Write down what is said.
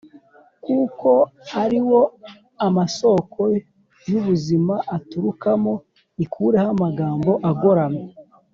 kuko ari wo amasoko y ubuzima aturukamo Ikureho amagambo agoramye